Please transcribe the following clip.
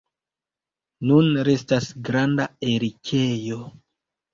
Nun restas granda erikejo.